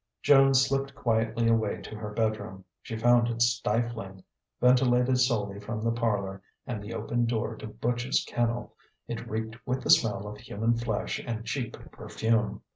Joan slipped quietly away to her bedroom. She found it stifling; ventilated solely from the parlour and the open door to Butch's kennel, it reeked with the smell of human flesh and cheap perfume.